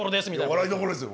笑いどころですよ。